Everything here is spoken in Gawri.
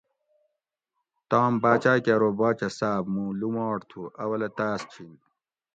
تام باچاۤ کہ ارو باچہ صاۤب مُوں لُوماٹ تُھوں اولہ تاۤس چِھن